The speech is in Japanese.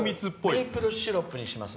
メープルシロップにします？